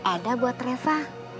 ada buat reva